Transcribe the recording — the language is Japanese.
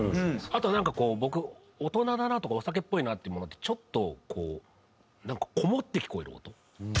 あとなんか僕大人だなとかお酒っぽいなっていうものってちょっとこうなんかこもって聞こえる音？